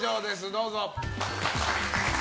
どうぞ。